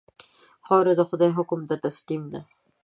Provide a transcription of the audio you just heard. خاوره د خدای حکم ته تسلیم ده.